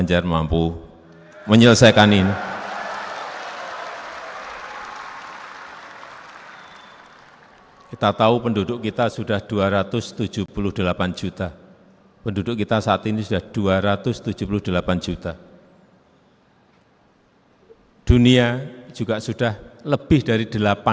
jadi caachai itu lebih baik